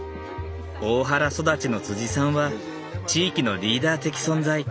大原育ちのさんは地域のリーダー的存在。